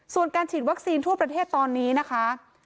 ส่วนการฉีดวัคซีนทั่วประเทศตอนนี้นะคะ